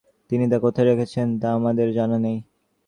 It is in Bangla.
তিনি তা কোথায় রেখেছেন তা আমাদের জানা নেই।